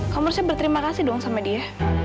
kamu harusnya berterima kasih dong sama dia